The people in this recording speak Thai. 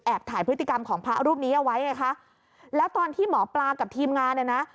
ถ่ายพฤติกรรมของพระรูปนี้เอาไว้ไงคะแล้วตอนที่หมอปลากับทีมงานเนี่ยนะ